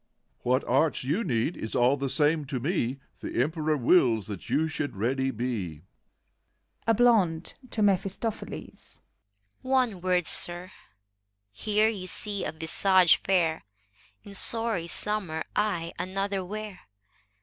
What arts you need, is all the same to me ; The Emperor wills that you should ready be. A BLONDE (to MePHISTOPHBLES). One word, Sir! Here you see a visage fair, — In sorry summer I another wear!